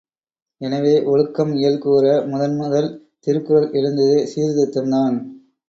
எனவே, ஒழுக்கம் இயல் கூற முதன் முதல் திருக்குறள் எழுந்ததே சீர்திருத்தம்தான்.